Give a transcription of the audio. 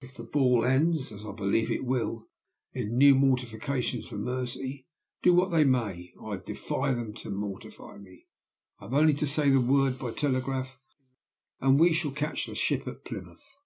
If the ball ends (as I believe it will) in new mortifications for Mercy do what they may, I defy them to mortify me I have only to say the word by telegraph, and we shall catch the ship at Plymouth.